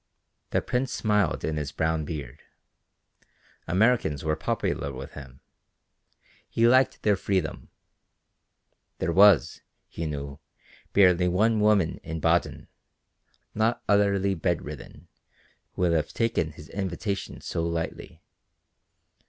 The Prince smiled in his brown beard. Americans were popular with him. He liked their freedom. There was, he knew, barely one woman in Baden, not utterly bedridden, who would have taken his invitation so lightly.